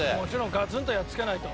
ガツンとやっつけないと。